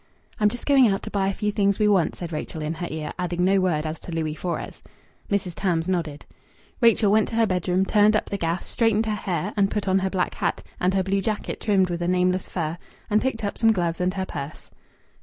"I'm just going out to buy a few things we want," said Rachel in her ear, adding no word as to Louis Fores. Mrs. Tams nodded. Rachel went to her bedroom, turned up the gas, straightened her hair, and put on her black hat, and her blue jacket trimmed with a nameless fur, and picked up some gloves and her purse.